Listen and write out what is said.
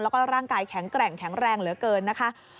แล้วก็ร่างกายแข็งแกร่งแข็งแรงเหลือเกินนะคะ